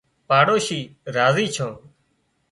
پاڙوشي راضي ڇان